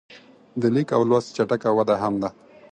د لیک او لوست چټکه وده هم ده.